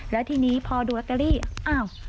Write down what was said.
แล้วทีนี้พอดูลอตเตอรี่อ้าว